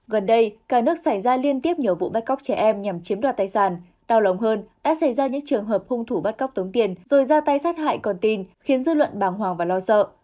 gần đây cả nước xảy ra liên tiếp nhiều vụ bắt cóc trẻ em nhằm chiếm đoạt tài sản đau lòng hơn đã xảy ra những trường hợp hung thủ bắt cóc tống tiền rồi ra tay sát hại con tin khiến dư luận bàng hoàng và lo sợ